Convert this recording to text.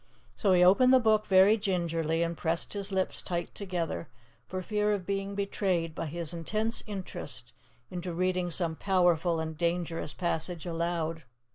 So he opened the Book very gingerly and pressed his lips tight together, for fear of being betrayed by his intense interest into reading some powerful and dangerous passage aloud.